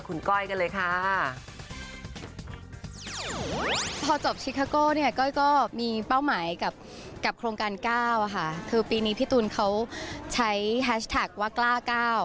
คือปีนี้พี่ตูนเขาใช้แฮชแท็กว่ากล้าเก้า